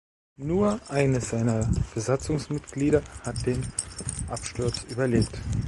Nur eines seiner Besatzungsmitglieder hat den Absturz überlebt.